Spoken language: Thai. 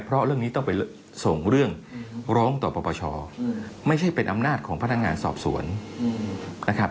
เพราะเรื่องนี้ต้องไปส่งเรื่องร้องต่อปปชไม่ใช่เป็นอำนาจของพนักงานสอบสวนนะครับ